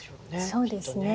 そうですね。